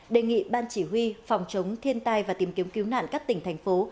đề nghị ban chỉ huy phòng chống thiên tai và tìm kiếm cứu nạn các tỉnh thành phố